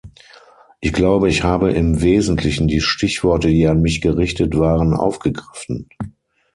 Ich glaube, ich habe im wesentlichen die Stichworte, die an mich gerichtet waren, aufgegriffen.